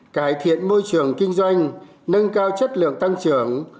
cải thiện môi trường kinh doanh nâng cao chất lượng tăng trưởng